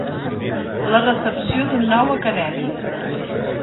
La recepció d'un nou acadèmic.